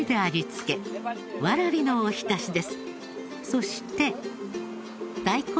そして。